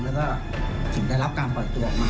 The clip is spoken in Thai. แล้วก็ถึงได้รับการปล่อยตัวออกมา